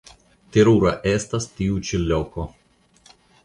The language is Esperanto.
Terura estas tiu ĉi loko.